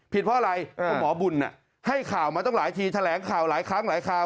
เพราะอะไรคุณหมอบุญให้ข่าวมาตั้งหลายทีแถลงข่าวหลายครั้งหลายคราว